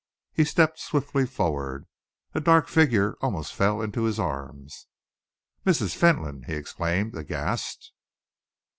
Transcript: He stepped swiftly forward. A dark figure almost fell into his arms. "Mrs. Fentolin!" he exclaimed, aghast.